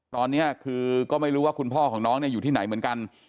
ตอนนี้คือก็ไม่รู้ว่าคุณพ่อของน้องอยู่ที่ไหนเหมือนกัน